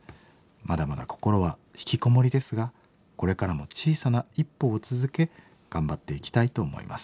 まだまだ心はひきこもりですがこれからも小さな一歩を続け頑張っていきたいと思います。